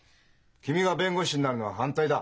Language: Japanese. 君が弁護士になるのは反対だ。